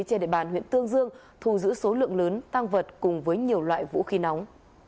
trên địa bàn huyện tương dương thù giữ số lượng lớn tăng vật cùng với nhiều loại vũ khí nóng